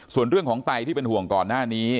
ส่วนเรื่องของไตที่เป็นห่วงก่อนหน้านี้